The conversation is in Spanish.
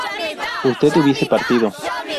¿usted hubiese partido?